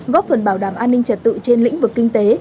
góp phần bảo đảm an ninh trật tự trên lĩnh vực kinh tế